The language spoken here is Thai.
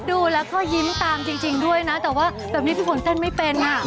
ดูแล้วก็ยิ้มตามจริงด้วยนะแต่ว่าแบบนี้พี่ฝนเต้นไม่เป็นอ่ะ